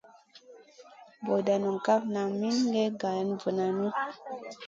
Bur NDA ndo kaf nan min gue gara vu nanu.